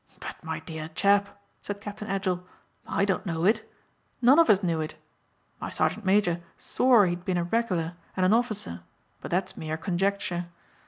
"But my dear chap," said Captain Edgell, "I don't know it. None of us knew it. My sergeant major swore he'd been a regular and an officer but that's mere conjecture.